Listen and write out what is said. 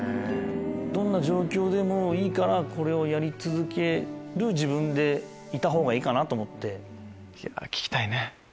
どんな状況でもいいからこれをやり続ける自分でいた方がいいかなと思って。